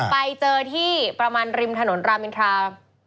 ไปเจอที่ประมาณริมถนนรามอินทรา